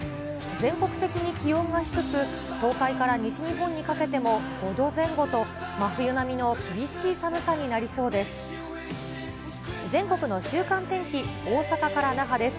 全国的に気温が低く、東海から西日本にかけても５度前後と、真冬並みの厳しい寒さになりそうです。